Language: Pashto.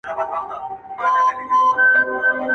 وړې څپې له توپانونو سره لوبي کوي.!